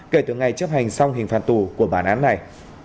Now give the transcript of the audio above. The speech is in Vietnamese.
kể từ ngày chấp hành xong hình phạt tù của bản án này